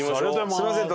すみません